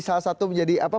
salah satu menjadi apa